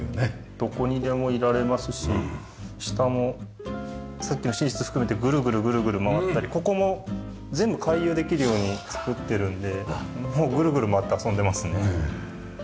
どこにでもいられますし下もさっきの寝室含めてぐるぐるぐるぐる回ったりここも全部回遊できるように作ってるのでもうぐるぐる回って遊んでますね。